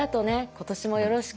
「今年もよろしく」。